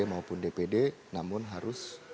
maupun dpd namun harus